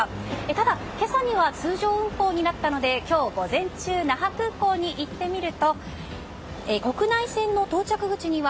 ただ、今朝には通常運航になったので今日午前中那覇空港に行ってみると国内線の到着口には